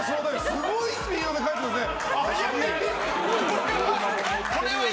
すごいスピードで書いてますね！